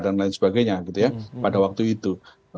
dan lain sebagainya gitu ya pada waktu itu